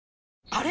あれ？